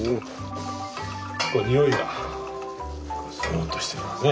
においがずっとしてますね。